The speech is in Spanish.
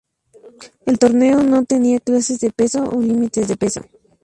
El torneo no tenía clases de peso o límites de peso.